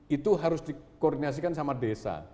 itu harus di koordinasikan sama desa